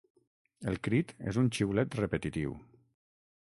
El crit és un xiulet repetitiu.